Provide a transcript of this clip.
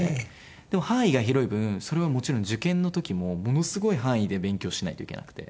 でも範囲が広い分それはもちろん受験の時もものすごい範囲で勉強しないといけなくて。